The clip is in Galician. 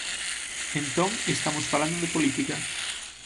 Entón, estamos falando de política.